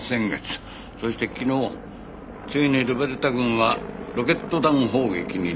そして昨日ついにルベルタ軍はロケット弾砲撃に出た。